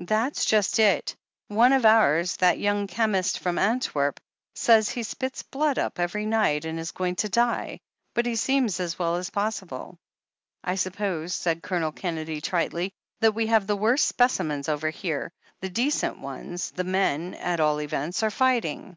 "That's just it! One of ours — ^that yoimg chemist from Antwerp — says he spits blood every night and is going to die, but he seems as well as possible." "I suppose," said Colonel Kennedy tritely, "that we have the worst specimens over here. The decent ones — ^the men, at all events — are fighting."